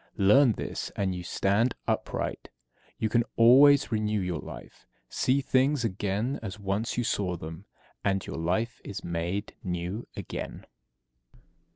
Learn this, and you stand upright; you can always renew your life. See things again as once you saw them, and your life is made new again.